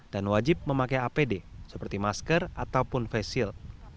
dan wajib memakai apd seperti masker ataupun face shield